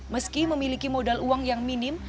meski memiliki modal uang yang minim